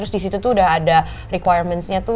disitu tuh udah ada requirementnya tuh